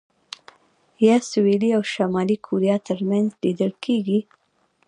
یا سوېلي او شمالي کوریا ترمنځ لیدل کېږي.